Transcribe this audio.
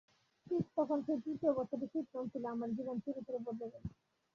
ঠিক যখন সেই তৃতীয় বছরে শীত নামছিল, আমার জীবন চিরতরে বদলে গেলো।